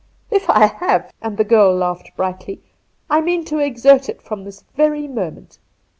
' If I have '— and the girl laughed brightly—' I mean to exert it from this very moment.